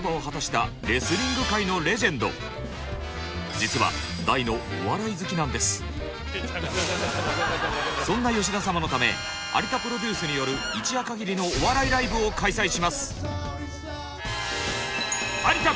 実はそんな吉田様のため有田プロデュースによる一夜かぎりのお笑いライブを開催します。